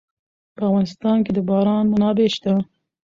په افغانستان کې د باران منابع شته.